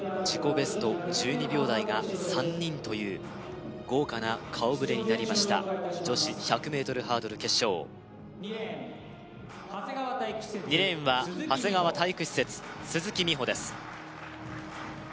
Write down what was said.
ベスト１２秒台が３人という豪華な顔ぶれになりました女子１００ｍハードル決勝２レーンは長谷川体育施設鈴木美帆です